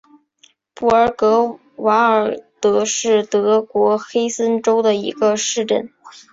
布尔格瓦尔德是德国黑森州的一个市镇。